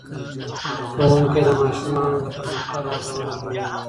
ښوونکی د ماشومانو د پرمختګ ارزونه کوي.